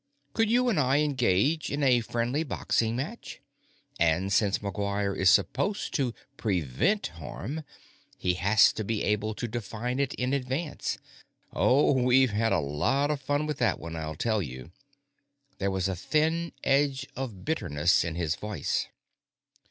Could you and I engage in a friendly boxing match? And since McGuire is supposed to prevent harm, he has to be able to define it in advance. Oh, we've had a lot of fun with that one, I'll tell you." There was a thin edge of bitterness in his voice.